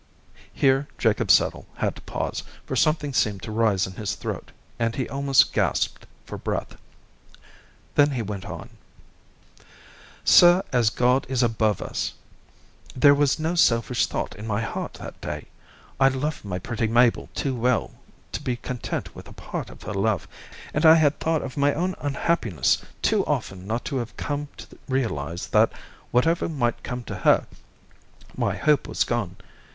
Here Jacob Settle had to pause, for something seemed to rise in his throat, and he almost gasped for breath. Then he went on: "Sir, as God is above us, there was no selfish thought in my heart that day, I loved my pretty Mabel too well to be content with a part of her love, and I had thought of my own unhappiness too often not to have come to realise that, whatever might come to her, my hope was gone.